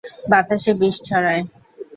বাতাসে বীজ ছড়ায়।